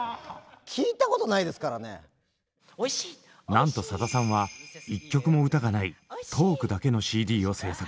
なんとさださんは１曲も歌がないトークだけのＣＤを制作。